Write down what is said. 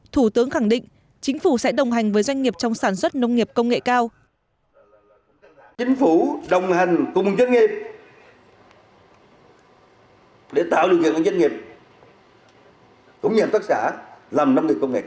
thủ tướng khẳng định chính phủ sẽ đồng hành với doanh nghiệp trong sản xuất nông nghiệp công nghệ cao